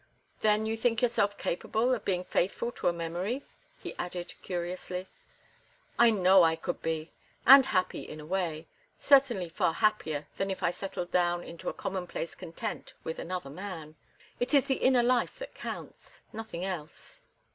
Then you think yourself capable of being faithful to a memory?" he added, curiously. "I know I could be—and happy, in a way; certainly far happier than if I settled down into a commonplace content with another man. It is the inner life that counts, nothing else."